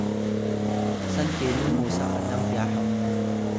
san kenu mosa alang Pyahaw?